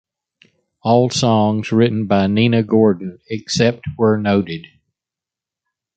All songs written by Nina Gordon, except where noted.